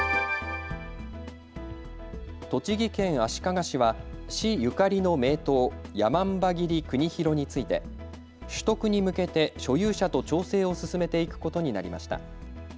栃木県足利市は市ゆかりの名刀、山姥切国広について取得に向けて所有者と調整を進めていくことになりました。